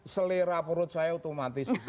selera perut saya otomatis